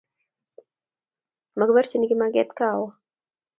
Makiboorchin kimakeet kowo